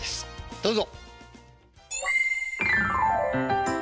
どうぞ。